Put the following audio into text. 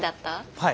はい。